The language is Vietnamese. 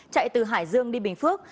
chạy từ hải dương đi bình phước